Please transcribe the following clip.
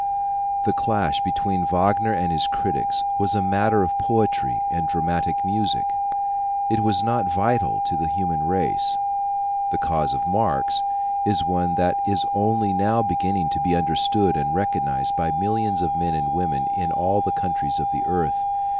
The clash between Wagner and his critics was a matter of poetry and dramatic music. It was not vital to the human race. The cause of Marx is one that is only now beginning to be understood and recognized by millions of men and women in all the countries of the earth.